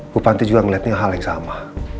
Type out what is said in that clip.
bupanti juga ngeliatnya hal yang sama